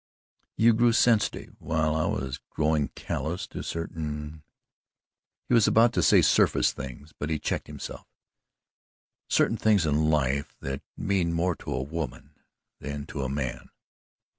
You grew sensitive while I was growing callous to certain " he was about to say "surface things," but he checked himself "certain things in life that mean more to a woman than to a man.